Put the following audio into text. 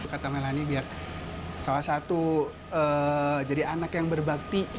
kata melani biar salah satu jadi anak yang berbakti